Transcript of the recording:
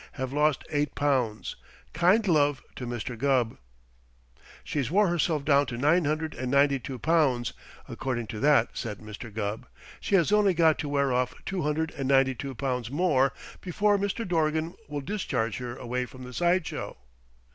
Have lost eight pounds. Kind love to Mr. Gubb. "She's wore herself down to nine hundred and ninety two pounds, according to that," said Mr. Gubb. "She has only got to wear off two hundred and ninety two pounds more before Mr. Dorgan will discharge her away from the side show."